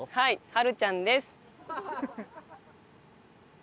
はるちゃんです。